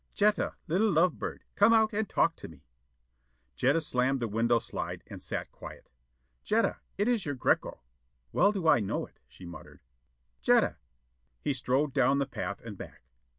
"Jetta, little love bird, come out and talk to me." Jetta slammed the window slide and sat quiet. "Jetta, it is your Greko." "Well do I know it," she muttered. "Jetta!" He strode down the path and back.